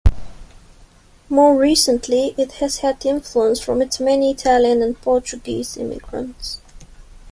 More recently, it has had influence from its many Italian and Portuguese immigrants.